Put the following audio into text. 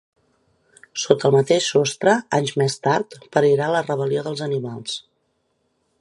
Sota el mateix sostre, anys més tard, parirà La rebel·lió dels animals.